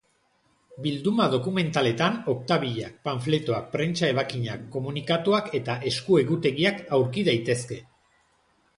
Bilduma dokumentaletan oktabilak, panfletoak, prentsa ebakinak, komunikatuak eta esku-egutegiak aurki daitezke.